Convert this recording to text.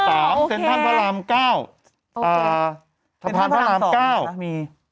เซ็นทันพระราม๙